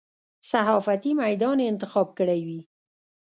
صحافتي میدان یې انتخاب کړی وي.